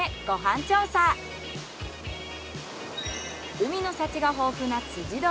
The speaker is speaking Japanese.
海の幸が豊富な堂。